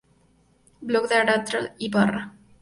Blog de Arantza Ibarra